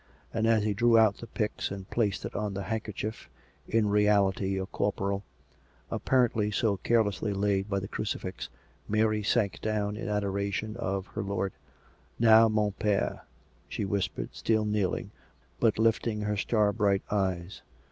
And, as he drew out the pyx, and placed it on the handkerchief (in reality a corporal), apparently so carelessly laid by the crucifix, Mary sank down in adoration of her Lord. " Now, mon pere," she whispered, still kneeling, but lifting her star bright eyes.